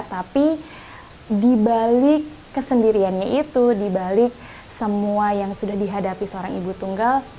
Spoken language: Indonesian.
tapi di balik kesendiriannya itu di balik semua yang sudah dihadapi seorang ibu tunggal